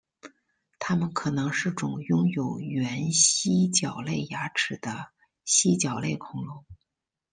它们可能是种拥有原蜥脚类牙齿的蜥脚类恐龙。